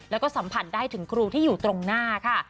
แล้วก็สัมผัสได้ถึงครูที่อยู่ตรงหน้าค่ะ